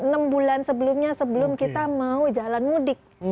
dan enam bulan sebelumnya sebelum kita mau jalan mudik